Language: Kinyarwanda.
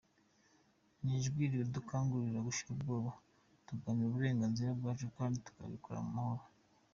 Ni ijwi ridukangurira gushira ubwoba tugaharanira uburenganzira bwacu kandi tukabikora mu Mahoro.